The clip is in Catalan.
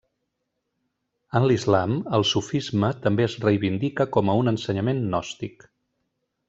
En l'Islam, el sufisme també es reivindica com a un ensenyament gnòstic.